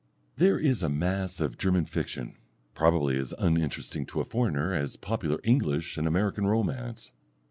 There is a mass of German fiction probably as uninteresting to a foreigner as popular English and American romance.